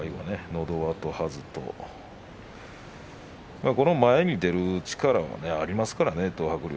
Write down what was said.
のど輪とはずと前に出る力がありますからね東白龍。